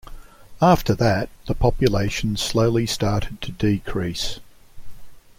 After that, the population slowly started to decrease.